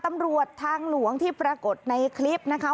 ตำรวจทางหลวงที่ปรากฏในคลิปนะคะ